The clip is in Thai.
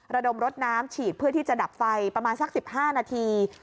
ระดมรถน้ำฉีดเพื่อที่จะดับไฟประมาณสัก๑๕นาที